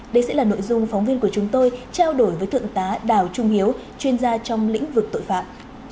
đây sẽ là nội dung phóng viên của chúng tôi trao đổi với thượng tá đào trung hiếu chuyên gia trong lĩnh vực tội phạm